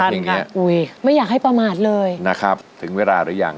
นี่ค่ะอุ้ยไม่อยากให้ประมาทเลยนะครับถึงเวลาหรือยัง